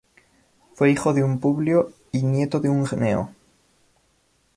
Fue hijo de un Publio y nieto de un Gneo.